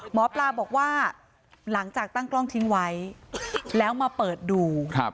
หมอปลาบอกว่าหลังจากตั้งกล้องทิ้งไว้แล้วมาเปิดดู